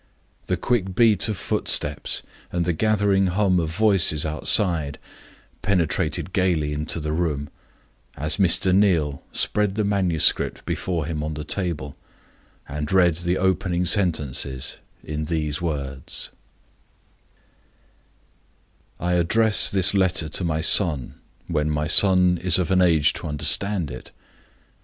The quick beat of footsteps, and the gathering hum of voices outside, penetrated gayly into the room, as Mr. Neal spread the manuscript before him on the table, and read the opening sentences in these words: "I address this letter to my son, when my son is of an age to understand it.